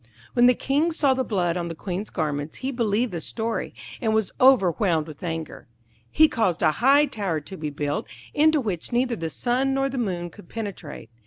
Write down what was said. When the King saw the blood on the Queen's garments he believed the story, and was overwhelmed with anger. He caused a high tower to be built, into which neither the sun nor the moon could penetrate.